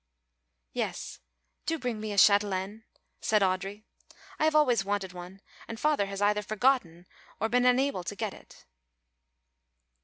"Yes, do bring me a chatelaine," said Audry. "I have always wanted one and Father has either forgotten or been unable to get it."